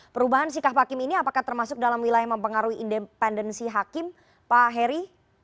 perubahan sikap hakim ini apakah termasuk dalam wilayah yang mempengaruhi independensi hakim pak heri